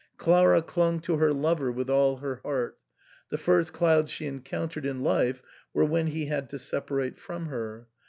Clara clung to her lover with all her heart ; the first clouds she encountered in life were when he had to separate from her.